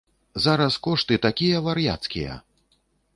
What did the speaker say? Зараз кошты такія вар'яцкія!